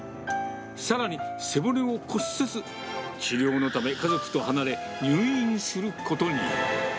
さらに、背骨を骨折、治療のため、家族と離れ、入院することに。